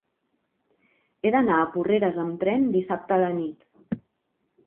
He d'anar a Porreres amb tren dissabte a la nit.